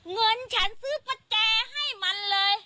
เงินฉันซื้อประแจให้มันเลย